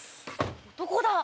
どこだ？